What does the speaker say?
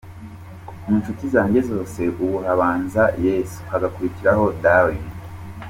Mu nshuti zanjye zose, ubu habanza Yesu, hagakurikiraho Darling.